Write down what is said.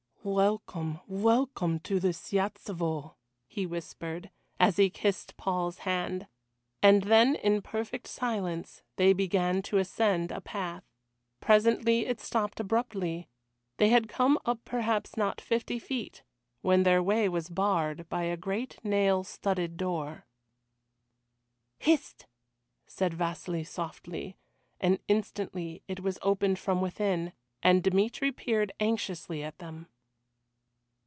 "Welcome, welcome to the Siyatelstvo," he whispered, as he kissed Paul's hand. And then in perfect silence they began to ascend a path. Presently it stopped abruptly. They had come up perhaps not fifty feet, when their way was barred by a great nail studded door. "Hist!" said Vasili softly, and instantly it was opened from within, and Dmitry peered anxiously at them.